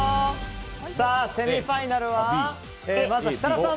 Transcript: セミファイナルは設楽さん